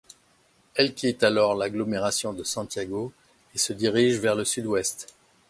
Elle quitte alors l'agglomération de Santiago et se dirige vers le sud-ouest.